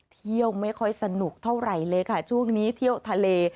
เที่ยวไม่ค่อยสนุกเท่าไหร่เลยค่ะช่วงนี้เที่ยวทะเล